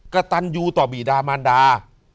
กระตันยูต่อบีดามันดา